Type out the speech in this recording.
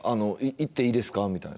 行っていいですかみたいな。